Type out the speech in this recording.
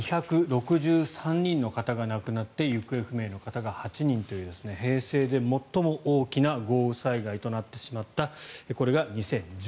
２６３人の方が亡くなって行方不明の方が８人という平成で最も大きな豪雨災害となってしまったこれが２０１８年。